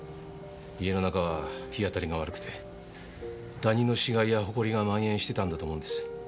家の中は日当たりが悪くてダニの死骸や埃が蔓延してたんだと思うんです。